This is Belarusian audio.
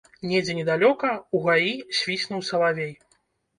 Недзе недалёка, у гаі, свіснуў салавей.